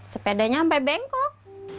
sepedanya sampai bengkok